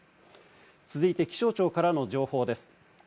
続いて気象庁からの情報です。